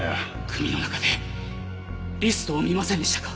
組の中でリストを見ませんでしたか？